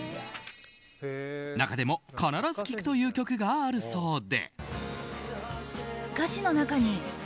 中でも必ず聴くという曲があるそうで。